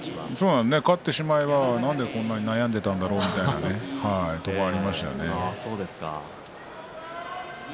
勝ってしまえばなんでこんなに悩んでいたんだろうみたいなところはありましたね。